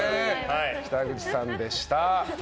北口さんでした。